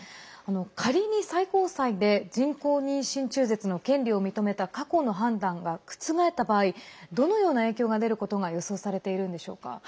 仮に最高裁で人工妊娠中絶の権利を認めた過去の判断が覆った場合どのような影響が出ることが予想されているんでしょうか。